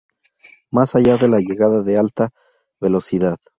más allá de la llegada de la Alta Velocidad